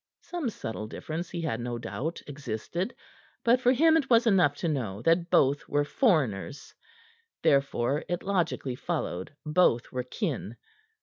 Some subtle difference he had no doubt existed; but for him it was enough to know that both were foreigners; therefore, it logically followed, both were kin.